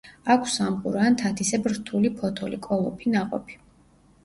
აქვს სამყურა ან თათისებრ რთული ფოთოლი, კოლოფი ნაყოფი.